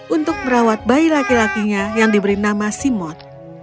untuk merawat bayi laki lakinya yang diberi nama simot